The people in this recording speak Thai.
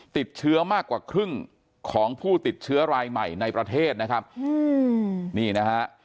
ติดเชื้อมากกว่าครึ่งของผู้ติดเชื้อรายใหม่ในประเทศนะครับอืมนี่นะฮะ